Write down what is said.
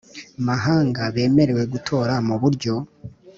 Mahanga bemerewe gutora mu buryo